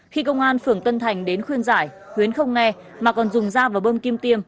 khi công an phường tân thành đến khuyên giải khuyến không nghe mà còn dùng dao vào bơm kim tiêm